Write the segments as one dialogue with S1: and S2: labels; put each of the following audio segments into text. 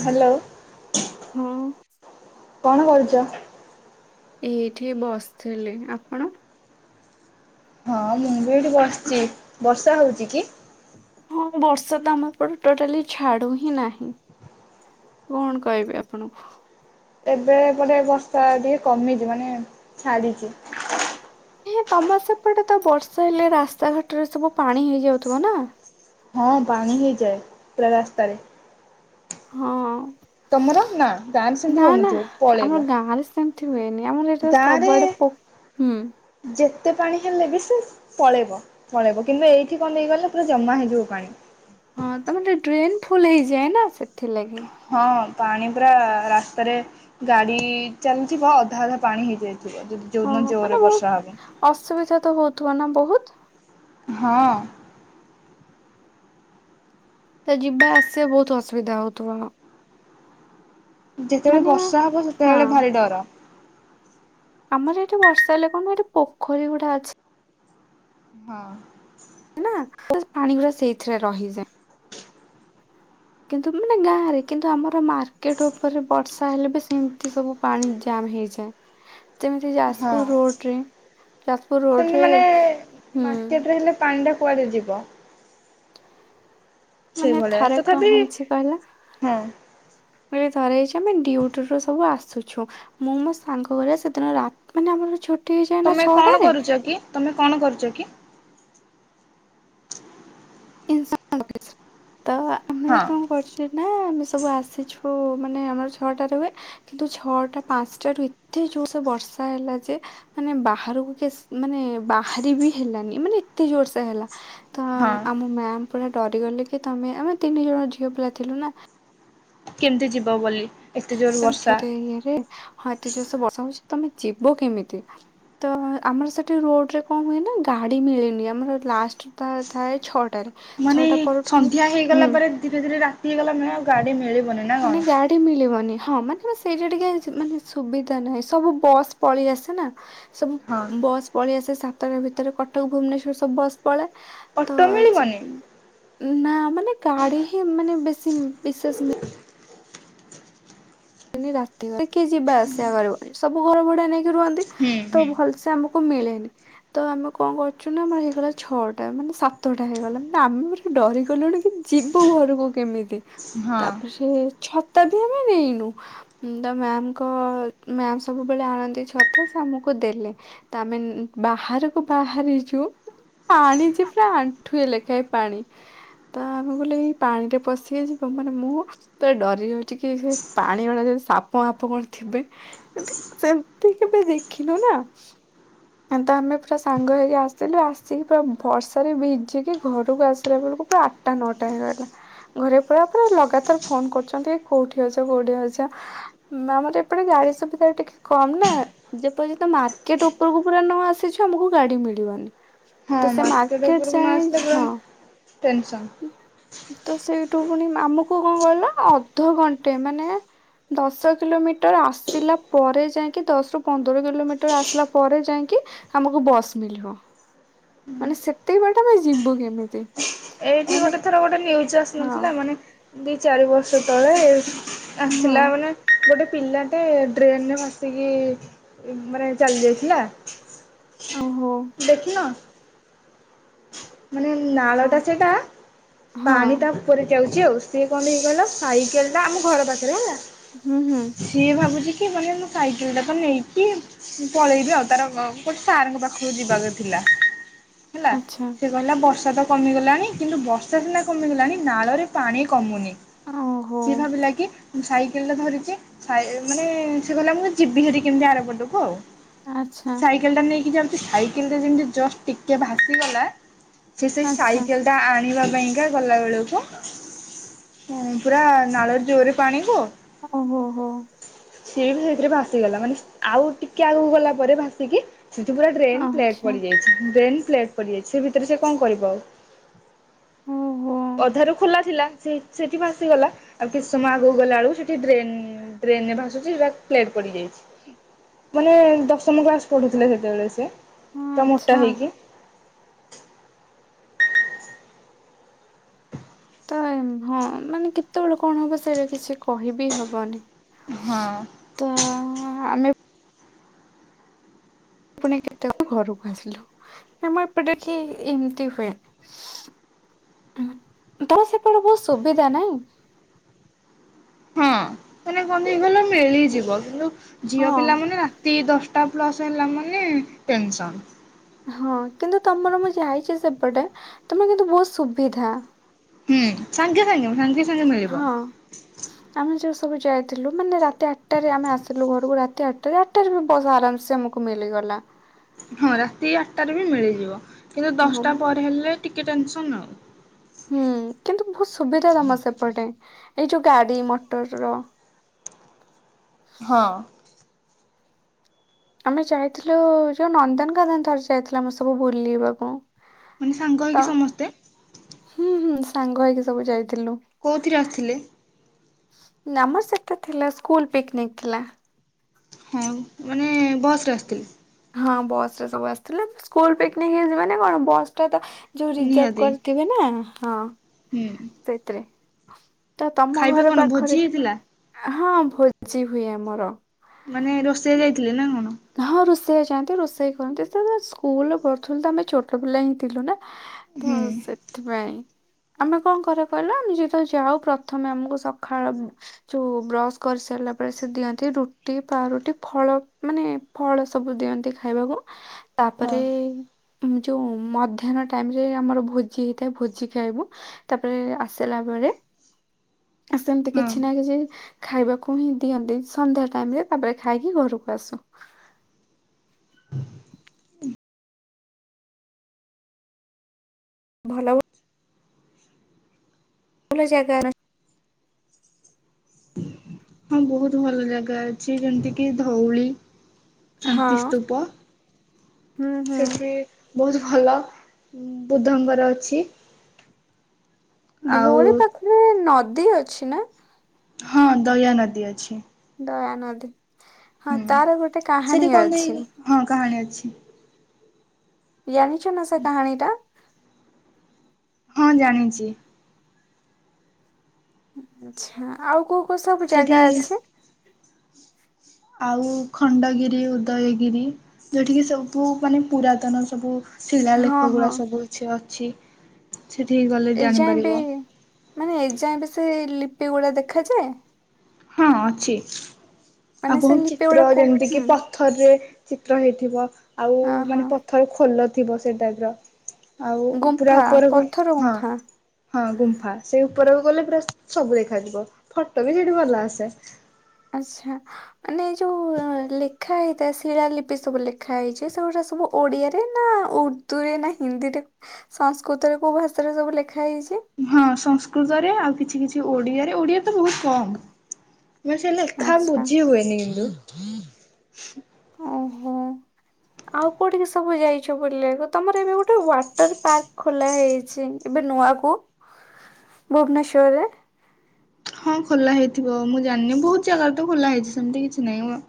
S1: Hello.
S2: ହଁ।
S1: କଣ କରୁଛ?
S2: ଏଇଠି ବସିଥିଲି ଆପଣ?
S1: ହଁ ମୁଁ ବି ଏଠି ବସିଛି ବର୍ଷା ହଉଛି କି?
S2: ହଁ ବର୍ଷା ତ ଆମ ଏପଟେ ଟୋଟାଲି ଛାଡୁ ହିଁ ନାହିଁ। କଣ କହିବି ଆପଣଙ୍କୁ।
S1: ଏବେ ଏପଟେ ବର୍ଷା ଟିକେ କମିଛି ମାନେ ଛାଡ଼ିଛି।
S2: ଏ ତମର ସେପଟେ ତ ବର୍ଷା ହେଲେ ରାସ୍ତାଘାଟରେ ସବୁ ପାଣି ହେଇଯାଉଥିବ ନା।
S1: ହଁ ପାଣି ହେଇଯାଏ ପୁରା ରାସ୍ତାରେ।
S2: ହଁ।
S1: ତମର ନା ଗାଁରେ ସେମିତି
S2: ନା ନା
S1: ହଉନଥିବ
S2: ଆମର
S1: ପଳେଇବ।
S2: ଗାଁରେ ସେମିତି ହୁଏନି ଆମର ଏଇଟା
S1: ଗାଁରେ
S2: ସବୁଆଡ଼େ ପ
S1: ଯେତେ ପାଣି ହେଲେ ବି ସେଷ ପଳେଇବ ପଳେଇବ କିନ୍ତୁ ଏଇଠି କଣ ହେଇଗଲେ ପୁରା ଜମା ହେଇଯିବ ପାଣି।
S2: ହଁ ତମର ଟେ ଡ୍ରେନ୍ ଫୁଲ ହେଇଯାଏ ନା ସେଥିଲାଗି।
S1: ହଁ ପାଣି ପୁରା ରାସ୍ତାରେ। ଗାଡି ଚାଲିଥିବ ଅଧା ଅଧା ପାଣି ହେଇଯାଇଥିବ ଯଦି
S2: ହଁ
S1: ଯୋଉଦିନ
S2: ହଁ ମାନେ
S1: ଜୋରରେ
S2: ବହୁତ
S1: ବର୍ଷା ହବ।
S2: ଅସୁବିଧା ତ ହଉଥିବ ନା ବହୁତ୍।
S1: ହଁ।
S2: ତ ଯିବା ଆସିବା ବହୁତ ଅସୁବିଧା ହଉଥିବ।
S1: ଯେତେବେଳେ
S2: ମାନେ
S1: ବର୍ଷା ହବ
S2: ହଁ
S1: ସେତେବେଳେ ଭାରି ଡର।
S2: ଆମର ଏଠି ବର୍ଷା ହେଲେ କଣ ଏଠି ପୋଖରୀ ହୁଡ଼ା ଅଛି।
S1: ହଁ।
S2: ନା ତ ପାଣି ଗୁରା ସେଇଥିରେ ରହିଯାଏ। କିନ୍ତୁ ମାନେ ଗାଁରେ କିନ୍ତୁ ଆମର ମା ର୍କେଟ ଉପରେ ବର୍ଷା ହେଲେ ବି ସେମିତି ସବୁ ପାଣି ଜାମ୍ ହେଇଯାଏ। ଯେମିତି
S1: ହଁ
S2: ଯାଜପୁର ରୋଡରେ ଯାଜପୁର ରୋଡରେ ହୁଁ।
S1: ପାଣିଟା କୁଆଡେ ଯିବ?
S2: ମାନେ
S1: ସେଇଭଳିଆ
S2: ଥରେ କଣ
S1: ତଥାପି
S2: ହେଇଚି କହିଲ।
S1: ହଁ
S2: ବୋଲି ଧରେ ହେଇଚି ଆମେ ଡ୍ୟୁଟିରୁୁ ସବୁ ଆସୁଛୁ। ମୁଁ ମୋ ସାଙ୍ଗ ଘରେ ସେଦିନ ରା ମାନେ ଆମର ଛୁଟି ହେଇଯାଏ ନା
S1: ତମେ କଣ
S2: ଛଅଟାରେ।
S1: କରୁଛ କି ତମେ କଣ କରୁଚି କି?
S2: [unintelligible] ତ ଆମେ
S1: ହଁ
S2: କଣ କରୁଚୁ ନା ଆମେ ସବୁ ଆସିଛୁ ମାନେ ଆମର ଛଅଟାରେ ହୁଏ। କିନ୍ତୁ ଛଅଟା ପାଞ୍ଚଟାରୁୁ ଏତେ ଜୋରସେ ବର୍ଷା ହେଲା ଯେ ମାନେ ବାହାରକୁ କେ ମାନେ ବାହାରି ବି ହେଲାନି ମାନେ ଏତେ ଜୋରସେ ହେଲା ତ
S1: ହଁ
S2: ଆମ ମ୍ୟାାମ ପୁରା ଡରିଗଲେ କି ତମେ ଆମେ ତିନି ଜଣ ଝିଅ ପିଲା ଥିଲୁ ନା।
S1: କେମିତି ଯିବ ବୋଲି। ଏତେ ଜୋର ବର୍ଷା
S2: [unintelligible] ଇଏରେ ହଁ ଏତେ ଜୋରସେ ବର୍ଷା ହୋଉଚି ତମେ ଯିବ କେମିତି? ତ ଆମର ସେଠି ରୋଡରେ କଣ ହୁଏ ନା ଗାଡି ମିଳେନି ଆମର ଲାଷ୍ଟ ତ ଥାଏ ଛଅଟାରେ।
S1: ମାନେ
S2: ଛଅଟା ପରଠୁ ଆମେ
S1: ସନ୍ଧ୍ୟା ହେଇଗଲା
S2: ହୁଁ
S1: ପରେ ଧୀରେ ଧୀରେ ରାତି ହେଇଗଲା ମାନେ ଆଉ ଗାଡି ମିଳିବନି ନା କଣ?
S2: [unintelligible] ମିଳିବନି ହଁ ମାନେ ସେଇଟା ଟିକେ ମାନେ ସୁବିଧା ନାହିଁ ସବୁ ବସ୍ ପଳେଇ ଆସେ ନା ସବୁ
S1: ହଁ
S2: ବସ୍ ପଳେଇ ଆସେ ସାତଟା ଭିତରେ କଟକ ଭୁବନେଶ୍ୱର ସବୁ ବସ୍ ତଳେ ତ
S1: ଅଟୋ
S2: ସେ
S1: ମିଳିବନି
S2: ନା ମାନେ ଗାଡି ହିଁ ମାନେ ବେଶୀ ବିଶେଷ
S1: [inaudible]
S2: ମାନେ ରାତିଟାରେ କିଏ ଯିବା ଆସିବା କରିବ ସବୁ ଘର ଭଡା ନେଇକି ରୁହନ୍ତି
S1: ହୁଁ
S2: ତ
S1: ହୁଁ
S2: ଭଲସେ ଆମକୁ ମିଳେନି ତ ଆମେ କଣ କରୁଚୁ ନା ଆମର ହେଇଗଲା ଛଅଟା ମାନେ ସାତଟା ହେଇଗଲା ମାନେ ଆମେ ପୁ ଡରିଗଲୁଣି କି ଯିବୁ ଘରକୁ କେମିତି?
S1: ହଁ
S2: ତାପରେ ସେ ଛତା ବି ଆମେ ନେଇନୁ। ତ ମ୍ୟାମଙ୍କ ମ୍ୟାାମ ସବୁବେଳେ ଆଣନ୍ତି ଛତା ସେ ଆମକୁ ଦେଲେ। ତ ଆମେ ବାହାରକୁ ବାହାରିଚୁ। ପାଣି ଯେ ପୁରା ଆଣ୍ଠୁଏ ଲେଖାଏଁ ପାଣି। ତ ଆମେ କହିଲୁ ଏଇ ପାଣିରେ ପଶିିକି ଯିବ ମାନେ ମୁଁ ତ ଡରି ରହିଚି କି ସେ ପାଣି ଭଳିଆ ଯଦି ସାପ ମାପ କଣ ଥିବେ। ସେମିତି କେବେ ଦେଖିନୁ ନା ଏ ତ ଆମେ ପୁରା ସାଙ୍ଗ ହେଇକି ଆସିଲୁ ଆସିକି ପୁରା ବର୍ଷାରେ ଭିଜିକି ଘରକୁ ଆସିଲା ବେଳକୁ ପୁରା ଆଠଟା ନଅଟା ହେଇଗଲା ଘରେ ପୁରା ପୁରା ଲଗାତାର ଫୋନ କରୁଚନ୍ତି କୋଉଠି ଅଛ କୋଉଠି ଅଛ? ଆମର ଏପଟେ ଗାଡି ସୁବିଧା ଟିକେ କମ ନା। ଯେପର୍ଯ୍ୟନ୍ତ ମାର୍କେଟ ଉପରକୁ ପୁରା ନ ଆସିଛୁ ଆମକୁ ଗାଡି ମିଳିବନି।
S1: ହଁ
S2: ତ ସେ ମାର୍କେଟ
S1: ଉପରକୁ ନ
S2: ଯାଏଁ
S1: ଆସିଲେ ପୁରା
S2: ହଁ।
S1: ଟେନସନ୍।
S2: ତ ସେଇଠୁ ପୁଣି ଆମକୁ କଣ କହିଲ ଅଧଘଣ୍ଟେ ମାନେ ଦଶ କିଲୋମିଟର ଆସିଲା ପରେ ଯାଁଇକି ଦଶ ରୁ ପନ୍ଦର କିଲୋମିଟର ଆସିଲା ପରେ ଯାଁଇକି ଆମକୁ ବସ୍ ମିଳିବ ମାନେ ସେତିକି ବାଟ ଆମେ ଯିବୁ କେମିତି?
S1: ଏଇ
S2: ମାନେ
S1: ଗୋଟେ ଥର ଗୋଟେ ନ୍ୟୁଜ୍ ଆସ
S2: ହଁ
S1: ନଥିଲା ମାନେ ଦି ଚାରି ବର୍ଷ ତଳେ
S2: ହଁ
S1: ଆସିଲାବେଲେ ଗୋଟେ ପିଲାଟେ ଡ୍ରେନରେ ଭାସିକି ମାନେ ଚାଲି ଯାଇଥିଲା।
S2: ଓହୋ।
S1: ଦେଖିନ? ମାନେ
S2: ତ
S1: ନାଳଟା ସେଟା
S2: ହଁ
S1: ପାଣି ତା ଉପରେ ଯାଉଚି ଆଉ। ସିଏ କଣଟେ ହେଇକି କହିଲ ସାଇକେଲ ଟା ଆମ ଘର ପାଖରେ ହେଲା।
S2: ହୁଁ ହୁଁ
S1: ସିଏ ଭାବୁଚି କି ମାନେ ମୁଁ ସାଇକେଲଟା ତ ନେଇଚି ମୁଁ ପଳେଇବି ଆଉ ତାର ଗ-ଗୋଟେ ସାରଙ୍କ ପାଖକୁ ଯିବାର ଥିଲା ହେଲା।
S2: ଆଚ୍ଛା
S1: ସେ କହିଲା ବର୍ଷା ତ କମିଗଲାଣି କିନ୍ତୁ ବର୍ଷା ସିନା କମିଗଲାଣି ନାଳରେ ପାଣି କମୁନି।
S2: ଓହୋ
S1: ସିଏ ଭାବିଲା କି ସାଇକେଲଟା ଧରିଛି ମାନେ ସେ ଗଲା ମୁଁ ଯିବି ହେରି କେମିତି ଆରପଟକୁ ଆଉ।
S2: ଆଚ୍ଛା।
S1: କେଲଟା ନେଇକି ଯାଉଛି ସାଇକେଲ ଟା ଯେମିତି ଜଷ୍ଟ ଟିକେ ଭାସିଗଲା ସେ ସେଇ
S2: ଆଚ୍ଛା
S1: ସାଇକେଲ ଟା ଆଣିବା ପାଇଁକା ଗଲା ବେଳକୁ ପୁରା ନାଳର ଜୋରେ ପାଣିିକୁ
S2: ଓ ହୋ ହୋ।
S1: ସିଏ ବି ସେଇଥିରେ ଭାସିଗଲା ମାନେ ଆଉ ଟିକେ ଆଗକୁ ଗଲା ପରେ ଭାସିକି ସେଥି ପୁରା ଡ୍ରେନ୍ ପ୍ଲେଟ୍
S2: ଆଚ୍ଛା
S1: ପଡ଼ି ଯାଇଛି ଡ୍ରେନ୍ ପ୍ଲେଟ୍ ପଡ଼ିଯାଇଛି ସେ ଭିତରେ ସେ କଣ କରିବ ଆଉ?
S2: ଓ ହୋ।
S1: ଅଧାରୁ ଖୋଲା ଥିଲା ସେ ସେଠି ଭାସିଗଲା ଆଉ କିଛି ସମୟ ଆଗକୁ ଗଲା ବେଳକୁ ସେଠି ଡ୍ରେନ୍ ଡ୍ରେନ ରେ ଭାସୁଛି ହେଟା ପ୍ଲେଟ ପଡିଯାଇଛି। ମାନେ ଦଶମ କ୍ଲାସ ପଢୁଥିଲେ ସେତେବେଳେ ସିଏ ପୁରା ମୋଟା
S2: ଆଚ୍ଛା
S1: ହେଇକି। [unintelligible]
S2: ତ ହଁ ମାନେ କେତେବେଳେ କଣ ହବ ସେଇଟା କିଛି କହିବି ହବନି।
S1: ହଁ।
S2: ତ ଆମେ ପୁଣି କେତେବେଳେ ଘରକୁ ଆସିଲୁ ମୁଁ ଏପଟେ କି ଏମିତି ହୁଏନି। ତମ ସେପଟେ ବହୁ ସୁବିଧା ନାଇଁ?
S1: ହଁ ମାନେ କହନ୍ତିୁ ଏଇଗଲ ମିଳିଯିବ କିନ୍ତୁ ଝିଅ
S2: ହଁ
S1: ପିଲା ମାନେ ରା ତି ଦଶଟା ପ୍ଲସ୍ ହେଲା ମାନେ ଟେନସନ୍।
S2: ହଁ କିନ୍ତୁ ତମର ମୁଁ ଯାଇଛି ସେପଟେ ତମର କିନ୍ତୁ ବହୁତ ସୁବିଧା
S1: ହୁଁ ସାଙ୍ଗେ ସାଙ୍ଗେ ସାଙ୍ଗେ ମିଳିବ।
S2: ହଁ। ଆମେ ଯୋଉ ସବୁ ଯାଇଥିଲୁ ମାନେ ରାତି ଆଠଟାରେରେ ଆମେ ଆସିଲୁ ଘରକୁ ରାତି ଆଠଟା ଆଠଟା ବସ୍‌ ଆରାମସ ମୁଁ କୁ ମିଳିଗଲା।
S1: ହଁ ରାତି ଆଠଟାରେ ବି ମିଳିଯିବ କିନ୍ତୁ
S2: ହଁ
S1: ଦଶଟା ପରେ ହେଲେ ଟିକେ ଟେନସନ ଆଉ।
S2: ହୁଁ କିନ୍ତୁ ବହୁତ ସୁବିଧା ତମ ସେପଟେ ଏଇ ଯୋଉ ଗାଡି ମଟର ର
S1: ହଁ।
S2: ଆମେ ଯାଇଥିଲୁ ଯୋଉ ନନ୍ଦନକାନନ ଥର ଯାଇଥିଲା ମୁଁ ସବୁ ବୁଲିବାକୁ।
S1: ମାନେ ସାଙ୍ଗ
S2: ତ
S1: ହେଇକି ସମସ୍ତେ।
S2: ହୁଁ ହୁଁ ସାଙ୍ଗ ହେଇକି ସବୁ ଯାଇଥିଲୁ।
S1: କୋଉଥିରେ ଆସିଥିଲେ?
S2: ନାମ ସେତା ଥିଲା ସ୍କୁଲ ପିକ୍ନିକ ଥିଲା।
S1: ହଁ ମାନେ ବସ୍ ରେ ଆସୁଥିଲି।
S2: ହଁ ବସରେ ସବୁ ଆସିଥିଲା ସ୍କୁଲ ପିକନିକ ହେଇଚି ମାନେ କଣ ବସ୍ ଟା ତ ଯୋଉ ରିଜର୍ଭ
S1: ନିହାତି
S2: କରିଥିବେ ନା ହଁ।
S1: ହୁଁ।
S2: ସେଥିରେ ତ ତମ
S1: ଖାଇବା
S2: ଘର
S1: କଣ ଭୋଜି
S2: ପାଖରେ
S1: ହେଇଥିଲା
S2: ହଁ ଭୋଜି ହୁଏ ଆମର।
S1: ମାନେ ରୋଷେଇଆ ଯାଇଥିଲେ ନା କଣ?
S2: ହଁ ରୋଷେଇ ଯାଆନ୍ତି ରୋଷେଇ କରନ୍ତି ତ ସ୍କୁଲ ପଢୁଥିଲୁ ତ ଆମେ ଛୋଟ ପିଲା ହିଁ ଥିଲୁ ନା। ତ
S1: ହୁଁ
S2: ସେଥିପାଇଁ ଆମେ କଣ କରେ କହିଲା ଆମେ ଯେେତେବେଳେ ଯାଉ ପ୍ରଥମେ ଆମକୁ ସଖାଳୁ ଯୋଉ ବ୍ରସ୍ କରିସାରିଲା ପରେ ସେ ଦିଅନ୍ତି ରୁଟି ପାଉଁରୁଟି ଫଳ ମାନେ ଫଳ ସବୁ ଦିଅନ୍ତି ଖାଇବାକୁ
S1: ହଁ
S2: ତାପରେ ଯୋଉ ମଧ୍ୟାହ୍ନ ଟାଇମ ରେ ଆମର ଭୋଜି ହେଇଥାଏ ଭୋଜି ଖାଇବୁ। ତାପରେ ଆସିଲା ପରେ ସେମିତି
S1: ହଁ
S2: କିଛି ନା କିଛି। ଖାଇବାକୁ ହିଁ ଦିଅନ୍ତି ସନ୍ଧ୍ୟା ଟାଇମରେ ତାପରେ ଖାଇକି ଘରକୁ ଆସୁ।
S1: [inaudible]
S2: ଭଲ ଭଲ ଜାଗା
S1: ହଁ ବହୁତ ଭଲ ଜାଗା ଅଛି, ଯେମିତି କିି ଧଉଳି
S2: ହଁ
S1: ଶାନ୍ତିସ୍ତୂପ,
S2: ହୁଁ ହୁଁ
S1: ସେଠି ବହୁତ ଭଲ, ବୁଦ୍ଧଙ୍କର ଅଛି। ଆଉ
S2: ଧୋଉଳି ପାଖରେ ନଦୀ ଅଛି ନା?
S1: ହଁ ଦୟା ନଦୀ ଅଛି।
S2: ଦୟାନଦୀ ହଁ
S1: ହୁଁ
S2: ତାର ଗୋଟେ
S1: ସେଠି
S2: କାହାଣୀ
S1: କଣ ଦେଇ
S2: ଅଛି।
S1: ହଁ କାହାଣୀ ଅଛି।
S2: ଜାଣିଛ ନା ସେ କାହାଣୀଟା?
S1: ହଁ ଜାଣିଛି।
S2: ଆଛା, ଆଉ କୋଉ କୋଉ ସବୁ
S1: ସେଠି
S2: ଜାଗା ଅଛି?
S1: ଆଉ ଖଣ୍ଡଗିରି, ଉଦୟଗିରି। ଯୋଉଠିକି ସବୁ ମାନେ ପୁରାତନ ସବୁ ଶିଳା
S2: ହଁ
S1: ଲେଖ
S2: ହଁ
S1: ଗୁଡା ସବୁ କିଛି ଅଛି। ସେଠିକ ଗଲେ
S2: ଏଯାଏ ବି
S1: ଜାଣିପାରିବ
S2: ମାନେ ଏଯାଏ ବି ସେ ଲିପି ଗୁଡା ଦେଖାଯାଏ।
S1: ହଁ ଅଛି। ଆଉ
S2: ମାନେ ସେ
S1: ବହୁତ
S2: ଲିପି
S1: ଚିତ୍ର
S2: ଗୁଡା କୋଉ
S1: ଯେମିତି କିି
S2: ହୁଁ
S1: ପଥରରେ ଚିତ୍ର ହେଇଥିବ ଆଉ
S2: ହଁ
S1: ମାନେ
S2: ହଁ
S1: ଥରେ ଖୋଲ ଥିବ ସେଟାଇପର ଆଉ ପୁରା
S2: ଗୁମ୍ଫା
S1: ଉପରକୁ
S2: ପଥର
S1: ହଁ
S2: ଗୁମ୍ଫା
S1: ହଁ ଗୁମ୍ଫା ସେଇ ଉପରକୁ ଗଲେ ପୁରା ସବୁ ଦେଖାଯିବ ଫଟୋ ବି ସେଠି ଭଲ ଆସେ।
S2: ଆଛା ମାନେ ଯୋଉ ଲେଖା ହେଇଥାଏ ଶିଳାଲିିପି ସବୁ ଲେଖା ହେଇଛି, ସେଗୁଡା ସବୁ ଓଡ଼ିଆରେ ନା ଉର୍ଦ୍ଦୁରେ ନା ହିନ୍ଦୀରେ ସଂସ୍କୃତରେ କେଉଁ ଭାଷାରେ ସବୁ ଲେଖା ହେଇଛି?
S1: ହଁ ସଂସ୍କୃତରେ ଆଉ କିଛି କିଛି ଓଡିଆରେ, ଓଡିଆ ତ ବହୁତ କମ୍ ମାନେ ସେ ଲେଖା
S2: ଆଚ୍ଛା
S1: ବୁଝି ହୁଏନି କିନ୍ତୁ
S2: ଓହୋ ଆଉ କୋଉଠିକି ସବୁ ଯାଇଛ ବଲିବାକୁ, ତମର ଏବେ ଗୋଟେ ୱାଟର ପାର୍କ ଖୋଲା ହେଇଛି ଏବେ ନୂଆ କ ଭୁବନେଶ୍ଵରରେ
S1: ହଁ ଖୋଲା ହେଇଥିବ ମୁଁ ଜାଣିନି, ବହୁତ ଜାଗାରେ ତ ଖୋଲା ହେଇଛି ସେମିତି କିଛି ନାହିଁ।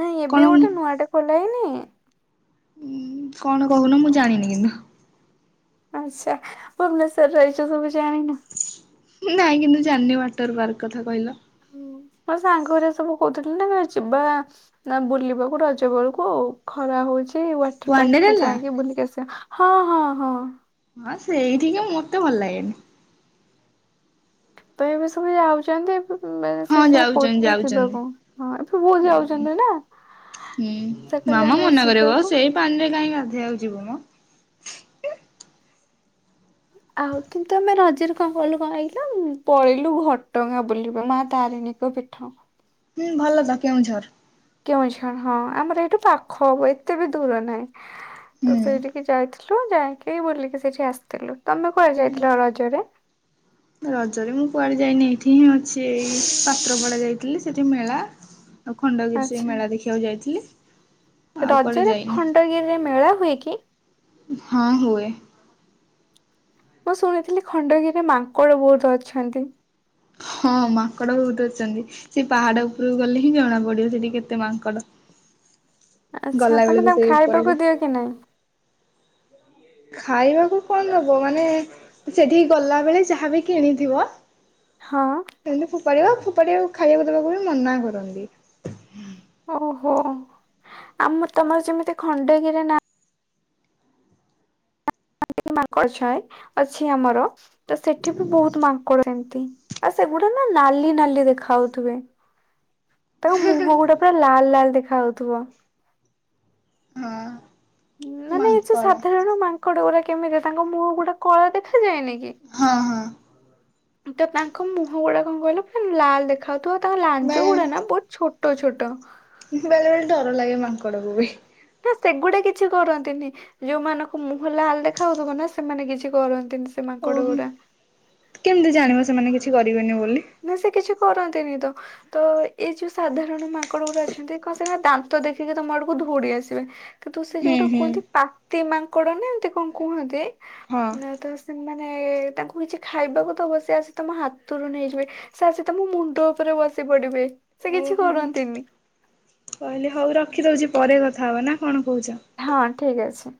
S2: ନାଇଁ ଏବେ
S1: କଣ
S2: ଗୋଟେ ନୂଆ ଟେ ଖୋଲା ହେଇନି?
S1: ଉଁ କଣ କହୁନ ମୁଁ ଜାଣିନି କିନ୍ତୁ
S2: ଆଛା ଭୁବନେଶ୍ୱର ରେ ରହିଛ ସବୁ ଜାଣିନ?
S1: ନାଇଁ କିନ୍ତୁ ଜାଣିନି ୱାଟର ପାର୍କ କଥା କହିଲ?
S2: ହୁଁ, ମୋ ସାଙ୍ଗରେ ସବୁ କହୁଥିଲି ନା ଯିବା। ନା ବୁଲିବାକୁ ରଜ ବେଳକୁ ଖରା ହଉଛି। ସେ ୱାଟର ପାର୍କ ଟିକେ
S1: ୱାଣ୍ଡେରେଲା
S2: ଯାଇକି ବୁଲିକି ଆସିବା, ହଁ ହଁ ହଁ।
S1: ହଁ ସେଇଠିକି ମତେ ଭଲ ଲାଗେନି।
S2: ତ ଏବେ ସବୁ ଯାଉଛନ୍ତି।
S1: ହଁ
S2: ସେ ସବୁ
S1: ଯାଉଛନ୍ତି
S2: କହୁଥିଲେ
S1: ଯାଉଛନ୍ତି
S2: ଯିବାକୁ, ହଁ ଏଠି ବହୁତ ଯାଉଛନ୍ତି ନା
S1: ହୁଁ
S2: ସେ କହିଲେ
S1: ମାମା
S2: ଆମେ
S1: ମନା କରିବ ପା,
S2: ଯିବାକୁ।
S1: ସେଇ ପାଣିରେ କାହିଁ ଗାଧେଇବାକୁ ଯିବୁ ମ
S2: ଆଉ କିନ୍ତୁ ଆମେ ରଜରେ କଣ କଲୁ କଣ କହିଲୁ ପଳେଇଲୁ ଘଟଗାଁ ବୁଲିବେ ମା ତାରିଣୀ। ପୀଠ
S1: ହୁଁ ଭଲ ତ କେଉଁଝର
S2: କେଉଁଝର, ହଁ ଆମର ଏଇଠୁ ପାଖ ହବ ଏତେ ବି ଦୂର ନାହିଁ, ତ
S1: ହୁଁ।
S2: ସେଇଠିକି ଯାଇ ଯାଇକି ବୁଲିକି ସେଇଠି ଆସିଥିଲୁ, ତମେ କୁହା ଯାଇଥିଲ ରଜରେ?
S1: ରଜରେ ମୁଁ କୁଆଡ଼େ ଯାଇନି ଏଇଠି ହିଁ ଅଛି ଏଇ ପାତ୍ରପଡ଼ା ଯାଇଥିଲି ସେଇଠି ମେଳା ଆଉ ଖଣ୍ଡଗିରି ସେଇ
S2: ଆଚ୍ଛା
S1: ମେଳା ଦେଖିବାକୁ ଯାଇଥିଲି। ଆଉ କୁଆଡେ
S2: ରଜରେ
S1: ଯାଇନି
S2: ଖଣ୍ଡଗିରିରେ ମେଳା ହୁଏ କି?
S1: ହଁ ହୁଏ।
S2: ମୁଁ ଶୁଣିଥିଲି ଖଣ୍ଡଗିରିରେ ମାଙ୍କଡ଼ ବହୁତ ଅଛନ୍ତି।
S1: ହଁ ମାଙ୍କଡ ବହୁତ୍ ଅଛନ୍ତି। ସେ ପାହାଡ ଉପରୁକୁ ଗଲେ ହିଁ ଜଣା ପଡିବ ସେଠି କେତେ ମାଙ୍କଡ।
S2: ଆଚ୍ଛା
S1: ଗଲା
S2: ତମେ
S1: ବେଳକୁ
S2: ତାଙ୍କୁ
S1: ସେଇ ଉପରକୁ
S2: ଖାୟାପିଆକୁ ଦିଅ କି ନାଇଁ?
S1: ଖାଇବାକୁ କଣ ଦବ ମାନେ? ସେଠିକି ଗଲା ବେଳେ ଯାହାବି କିଣିଥିବ।
S2: ହଁ।
S1: ସେମତି ଫୋପାଡିବ ଫୋପାଡିଆକୁ ଖାଇବାକୁ ଦେବାକୁ ବି ମନା କରନ୍ତି।
S2: ଓହୋ ଆମର ତମର ଯେମିତି ଖଣ୍ଡଗିରି ନା ମାଙ୍କଡ ଛାଏ ଅଛି ଆମର ତ ସେଠି ବି ବହୁତ ମାଙ୍କଡ ସେମତି। ଆଉ ସେଗୁଡା ନା ଲାଲି ନାଲି ଦେଖାହଉଥୁବେ। ତାଙ୍କ ମୁହଁ ଗୁଡା ପୁରା ଲାଲ୍ ଲାଲ୍ ଦେଖା ହଉଥିବ।
S1: ହଁ।
S2: ନା ନାଇ ଏ ଯୋଉ
S1: ମାଙ୍କଡ଼
S2: ସାଧାରଣ ମାଙ୍କଡ ଗୁଡା କେମିତି ତାଙ୍କ ମୁହଁ ଗୁଡା କଳା ଦେଖାଯାଏନି କି?
S1: ହଁ ହଁ।
S2: ତ ତାଙ୍କ ମୁହଁ ଗୁଡା କଣ କହିଲ ପୁନ୍ ଲାଲ ଦେଖ୍ ଖାଉଥୁବ ତାଙ୍କ ଲାଞ୍ଜ
S1: ବେଳେ
S2: ଗୁଡା ନା ବହୁତ ଛୋଟ ଛୋଟ।
S1: ବେଳେ ବେଳେ ଡର ଲାଗେ ମାଙ୍କଡକୁ ବି।
S2: ନା ସେଗୁଡା କିଛି କରନ୍ତିନି। ଯୋଉମାନକ ମୁହଁ ଲାଲ ଦେଖାହଉଥିବ ନା ସେମାନେ କିଛି କରନ୍ତିନି। ସେ
S1: ଓ
S2: ମାଙ୍କଡ
S1: ହୁଁ
S2: ଗୁଡା
S1: କେମିତି ଜାଣିବ ସେମାନେ କିଛି କରିବେନି ବୋଲି।
S2: ନା ସେ କିଛି କରନ୍ତିନି ତ। ତୋ ଏଇ ଯୋଉ ସାଧାରଣ ମାଙ୍କଡ ଗୁଡା ଅଛନ୍ତି କଣ ସେ ଗୁରା ଦାନ୍ତ ଦେଖିକି ତମ ଆଡୁକୁ ଧୌଡି ଆସିବେ। କିନ୍ତୁ ସେ
S1: ହୁଁ
S2: ଯୋଉଟା
S1: ହୁଁ।
S2: କୁହନ୍ତି ପାତି ମାଙ୍କଡ ନା ଏମତି କଣ କୁହନ୍ତି
S1: ହଁ
S2: ନା ତ ସ୍ ମାନେ ତାଙ୍କୁ କିଛି ଖାଇବାକୁ ଦବ ସେ ଆସି ତମ ହାତୁରୁ ନେଇଯିବେ। ସେ ଆସି ତମ ମୁଣ୍ଡ ଉପରେ ବସି ପଡିବେ। ସେ କିଛି
S1: ଓହୋ
S2: କରନ୍ତିନି।
S1: କହିଲି ହଉ ରଖି ଦଉଚି ପରେ କଥା ହବା ନା କଣ କହୁଛ?
S2: ହଁ ଠିକ ଅଛି।